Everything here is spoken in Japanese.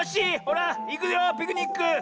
ほらいくよピクニック！